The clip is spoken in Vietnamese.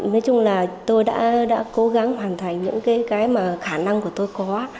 nói chung là tôi đã cố gắng hoàn thành những cái mà khả năng của tôi có